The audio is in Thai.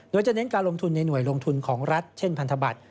โดยจะเน้นการลงทุนในหน่วยลงทุนของรัฐเช่นพันธบัตร